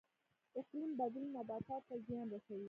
اقلیم بدلون نباتاتو ته زیان رسوي